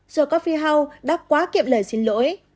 the coffee house đã quá kiệm lời xin lỗi